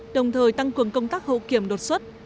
đồng thời tăng cường công tác hậu kiểm đột xuất